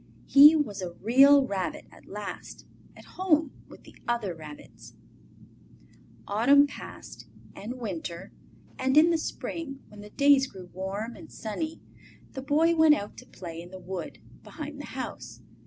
He was a Real Rabbit at last, at home with the other rabbits. At Last! At Last! Autumn passed and Winter, and in the Spring, when the days grew warm and sunny, the Boy went out to play in the wood behind the house.